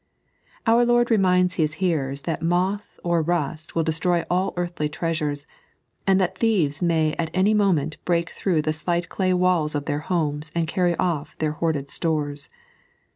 Our Lord reminds His hearers that moth or rust will destroy all earthly treasures, and that thieves may at any moment break through the slight clay walls of their homes and carry off their hoarded stores.